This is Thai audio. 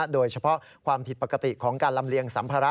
โดยเฉพาะความผิดปกติของการลำเลียงสัมภาระ